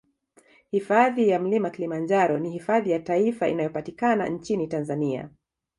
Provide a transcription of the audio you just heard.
Hifadhi ya Mlima Kilimanjaro ni hifadhi ya taifa inayopatikana nchini Tanzania